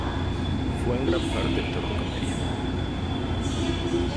Fue en gran parte actor de comedia.